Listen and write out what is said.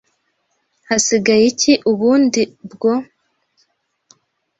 Hasigaye iki ubundi bwo?